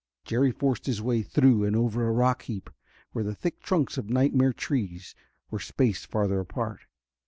Jerry forced his way through and over a rock heap, where the thick trunks of nightmare trees were spaced farther apart.